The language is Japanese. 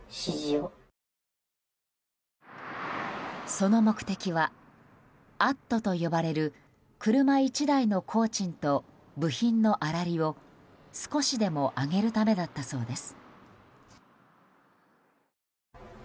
その目的は、アットと呼ばれる車１台の工賃と部品の粗利を少しでも上げるためだったそうです。